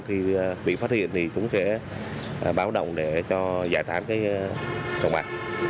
khi bị phát hiện chúng sẽ báo động để giải thoát sông bạc